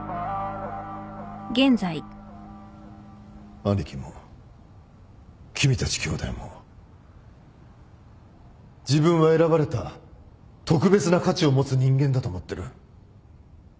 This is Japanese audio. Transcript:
兄貴も君たち兄弟も自分は選ばれた特別な価値を持つ人間だと思っている。